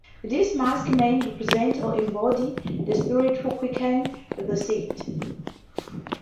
These masked men represent or embody the spirits who quicken the seed.